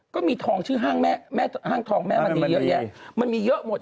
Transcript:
ก็มีทองชื่อห้างทองแม้มันมีเยอะมันมีเยอะหมด